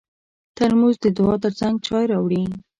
ترموز د دعا تر څنګ چای راوړي.